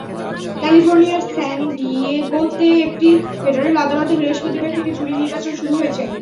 ক্যালিফোর্নিয়ার স্যান ডিয়েগোতে একটি ফেডারেল আদালতে বৃহস্পতিবার থেকে জুরি নির্বাচন শুরু হয়েছে।